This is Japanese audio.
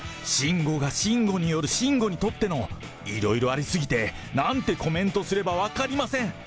慎吾が慎吾による慎吾にとっての。いろいろありすぎて、なんてコメントすれば分かりません。